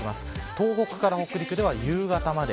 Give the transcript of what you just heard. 東北から北陸では夕方まで。